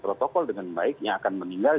protokol dengan baik yang akan meninggal